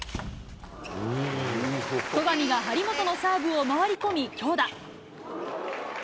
戸上が張本のサーブを回り込み、強打。